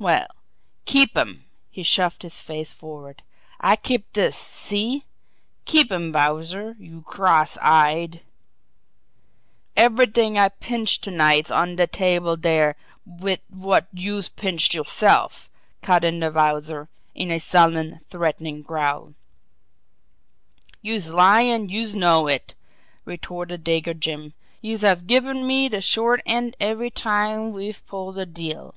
Well, keep 'em" he shoved his face forward. "I keeps dis see! Keep 'em Wowzer, youse cross eyed " "Everyt'ing I pinched to night's on de table dere wid wot youse pinched yerself," cut in the Wowzer, in a sullen, threatening growl. "Youse lie, an' youse knows it!" retorted Dago Jim. "Youse have given me de short end every time we've pulled a deal!"